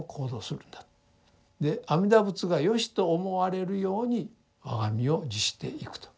で阿弥陀仏がよしと思われるように我が身を律していくと。